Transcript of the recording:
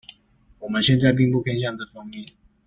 我們現在並不偏向這方面